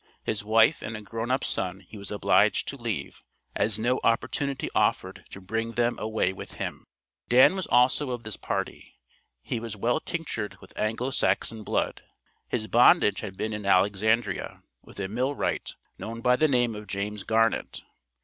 His wife and a grown up son he was obliged to leave, as no opportunity offered to bring them away with him. Dan was also of this party. He was well tinctured with Anglo Saxon blood. His bondage had been in Alexandria, with a mill wright, known by the name of James Garnett.